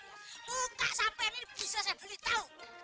luka sampai ini bisa saya beli tau